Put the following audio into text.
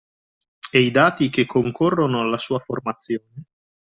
E i dati che concorrono alla sua formazione